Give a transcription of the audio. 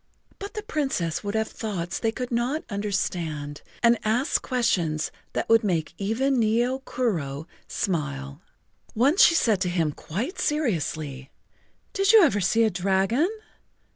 But the Princess would have thoughts[Pg 33] they could not understand and ask questions that would make even Nio Kuro smile. Once she said to him quite seriously: "Did you ever see a dragon?"